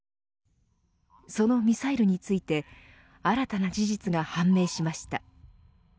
そのミサイルについて新たな事実が判明しました。